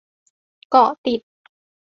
เกาะติด